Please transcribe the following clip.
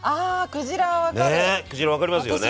クジラは分かりますよね。